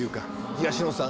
東野さん